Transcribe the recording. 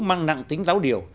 mang nặng tính giáo điều